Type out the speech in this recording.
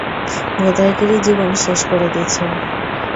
ভোঁদাইগিরি জীবন শেষ করে দিছে।